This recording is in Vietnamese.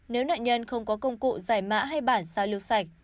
nếu nạn nhân không có công cụ giải mã hay bản sao lưu sạch